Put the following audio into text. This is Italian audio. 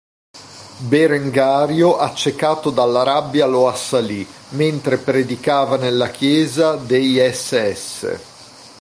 Berengario accecato dalla rabbia lo assalì, mentre predicava nella chiesa dei ss.